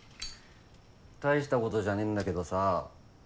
大したことじゃねぇんだけどさ